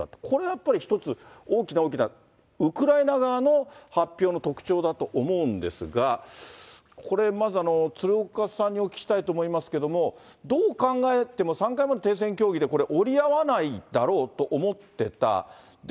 これはやっぱり、一つ、大きな大きなウクライナ側の発表の特徴だと思うんですが、これ、まず鶴岡さんにお聞きしたいと思いますけども、どう考えても、３回目の停戦協議で、これ、折り合わないだろうと思ってた。